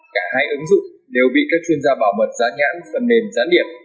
cả hai ứng dụng đều bị các chuyên gia bảo mật giã nhãn phần nền gián điệp